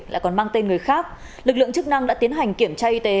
lại còn mang tên người khác lực lượng chức năng đã tiến hành kiểm tra y tế